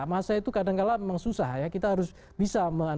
masa itu kadangkala memang susah ya kita harus bisa